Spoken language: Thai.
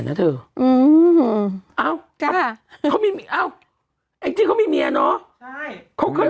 นะเธออืมเอ้าเขามีอ้าวแองจี้เขามีเมียเนอะใช่เขาเคย